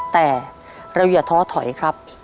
แต่เราอย่าท้อถอยครับ